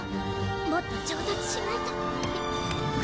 もっと上達しないと。